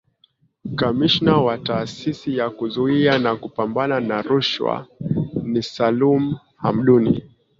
Kamishna wa Taasisi ya Kuzuia na Kupambana na Rushwa ni Salum Hamduni